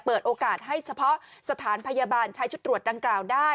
เปิดโอกาสให้เฉพาะสถานพยาบาลใช้ชุดตรวจดังกล่าวได้